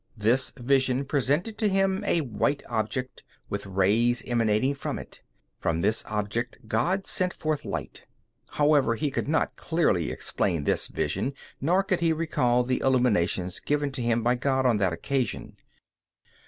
This vision presented to him a white object, with rays emanating from it. From this object God sent forth light. However, he could not clearly explain this vision, nor could he recall the illuminations given to him by God on that occasion.